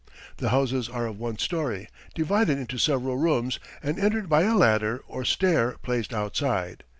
The houses are of one story, divided into several rooms, and entered by a ladder or stair placed outside.